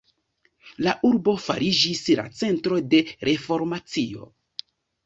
La urbo fariĝis la centro de Reformacio.